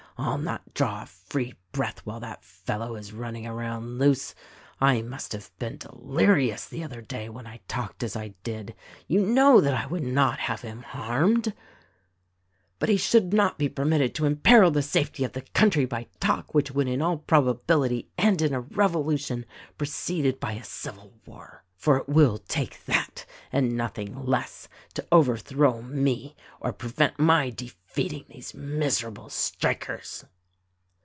I'll not draw a free breath while that fellow is running around loose. I must have been delirious the other day when I talked as I did. You know that I would not have him harmed ; but he should not be permitted to imperil the safety of the country by talk which would in all probability end in a revolution preceded by a civil war. For it will take that, and nothing less, to i6 4 THE RECORDING ANGEL overthrow me or prevent my defeating these miserable strikers."